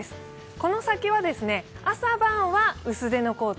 この先は、朝晩は薄手のコート。